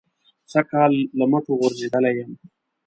سږ کال له مټو غورځېدلی یم.